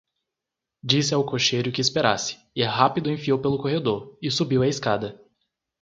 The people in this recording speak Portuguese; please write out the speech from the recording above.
Disse ao cocheiro que esperasse, e rápido enfiou pelo corredor, e subiu a escada.